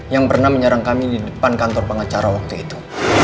yang pernah menyerang kami di depan kantor pengacara waktu itu